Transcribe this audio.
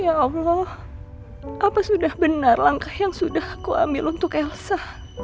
ya allah apa sudah benar langkah yang sudah aku ambil untuk elsa